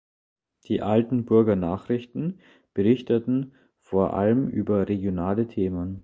Die "Altenburger Nachrichten" berichteten vor allem über regionale Themen.